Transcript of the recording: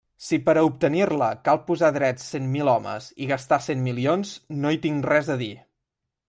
Si per a obtenir-la, cal posar drets cent mil homes i gastar cent milions, no hi tinc res a dir.